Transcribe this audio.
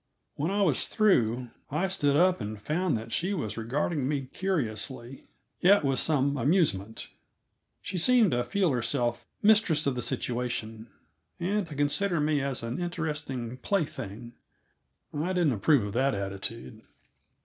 When I was through I stood up and found that she was regarding me curiously, yet with some amusement. She seemed to feel herself mistress of the situation, and to consider me as an interesting plaything. I didn't approve that attitude.